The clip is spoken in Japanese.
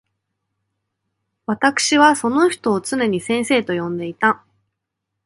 私わたくしはその人を常に先生と呼んでいた。